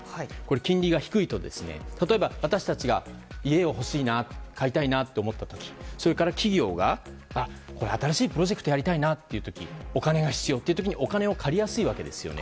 金利が低いと例えば、私たちが家を買いたいなと思った時それから企業が新しいプロジェクトをやりたいなという時お金が必要という時にお金を借りやすいわけですよね。